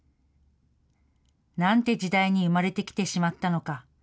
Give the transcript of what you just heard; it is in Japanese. なんて時代に生まれてきてしまったのか。